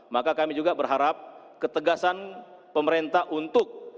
maka kami juga berharap ketegasan pemerintah untuk